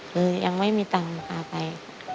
คือยังไม่มีตังค์พาไป